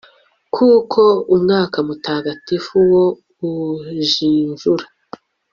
kuko umwuka mutagatifu wo ujijura